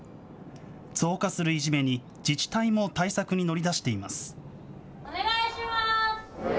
増加するいじめに、自治体も対策に乗り出しています。